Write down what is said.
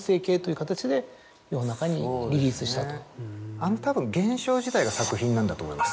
あのたぶん現象自体が作品なんだと思います。